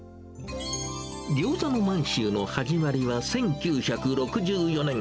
ぎょうざの満州の始まりは、１９６４年。